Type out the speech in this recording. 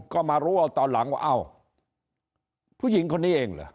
ก็มารู้ว่าตอนหลังว่าเอ้าผู้หญิงคนนี้เองเหรอ